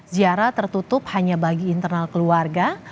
ziarah tertutup hanya bagi internal keluarga